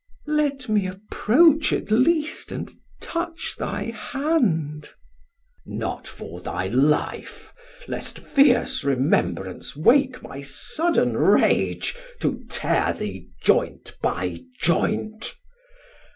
950 Dal: Let me approach at least, and touch thy hand. Sam: Not for thy life, lest fierce remembrance wake My sudden rage to tear thee joint by joint.